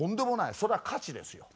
それは価値ですよ。